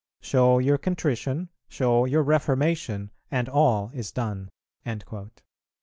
Show your contrition, show your reformation, and all is done."